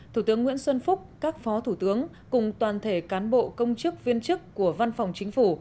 thủ tướng nguyễn xuân phúc các phó thủ tướng cùng toàn thể cán bộ công chức viên chức của văn phòng chính phủ